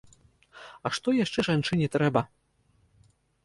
А што яшчэ жанчыне трэба?